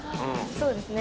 そうですね。